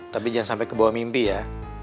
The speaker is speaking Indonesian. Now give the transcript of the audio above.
tapi jangan sampai kebawa mimpi ya